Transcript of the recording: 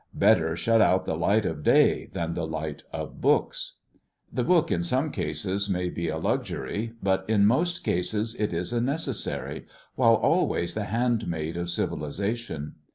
Better shut out the light of day than the light of books. The book in some cases may be a luxury, but in most cases it is a necessary, while always the handmaid of civilization.